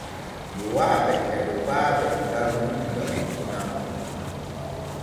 Yowaaɓe e Lokpaaɓe garu nun diga Burkina.